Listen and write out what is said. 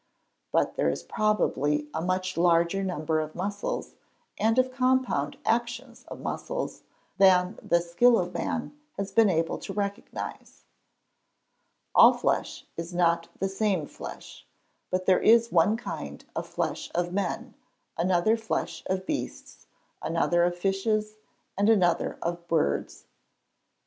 But there is probably a much larger number of muscles, and of compound actions of muscles, than the skill of man has been able to recognise. [Verse: "All flesh is not the same flesh: but there is one kind of flesh of men, another flesh of beasts, another of fishes, and another of birds."